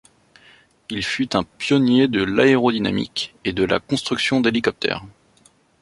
Il fut un pionnier de l'aérodynamique, et de la construction d'hélicoptères.